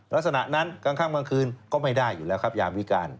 ลักษณะนั้นกลางข้างกลางคืนก็ไม่ได้อยู่แล้วครับยามวิการ